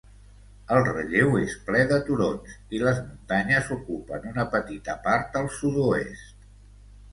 El relleu és ple de turons i les muntanyes ocupen una petita part al sud-oest.